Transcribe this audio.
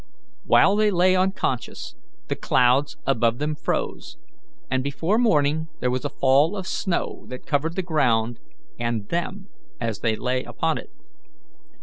While they lay unconscious, the clouds above them froze, and before morning there was a fall of snow that covered the ground and them as they lay upon it.